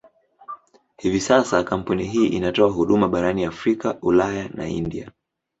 Hivi sasa kampuni hii inatoa huduma barani Afrika, Ulaya na India.